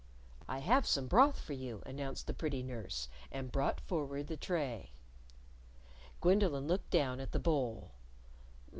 "I have some broth for you," announced the pretty nurse, and brought forward the tray. Gwendolyn looked down at the bowl.